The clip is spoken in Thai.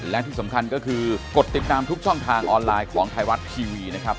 และที่สำคัญก็คือกดติดตามทุกช่องทางออนไลน์ของไทยรัฐทีวีนะครับ